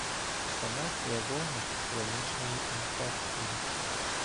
Санація вогнищ хронічної інфекції.